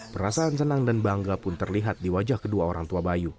perasaan senang dan bangga pun terlihat di wajah kedua orang tua bayu